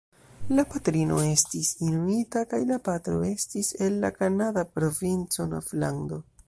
La patrino estis inuita kaj la patro estis el la kanada provinco Novlando.